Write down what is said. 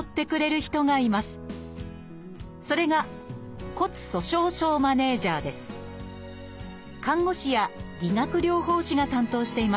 それが看護師や理学療法士が担当しています